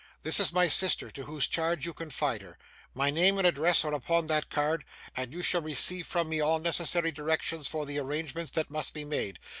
This is my sister to whose charge you confide her. My name and address are upon that card, and you shall receive from me all necessary directions for the arrangements that must be made.